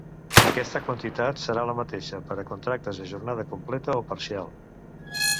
Aquesta quantitat serà la mateixa per a contractes a jornada completa o parcial.